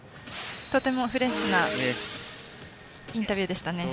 とてもフレッシュなインタビューでしたね。